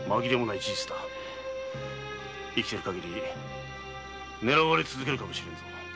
生きているかぎり狙われ続けるかもしれぬ。